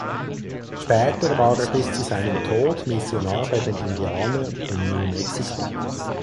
Später war er bis zu seinem Tod Missionar bei den Indianern in New Mexico.